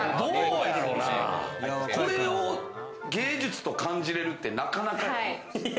これを芸術って感じれるってなかなかよ？